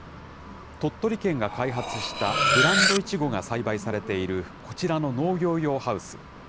鳥取県が開発したブランドイチゴが栽培されているこちらの農業用ハウス。